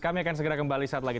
kami akan segera kembali saat lagi